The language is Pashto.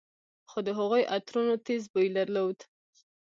خو د هغوى عطرونو تېز بوى درلود.